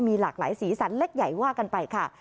มีหลากหลายสีสันเล็กใหญ่ว่ากันไปค่ะ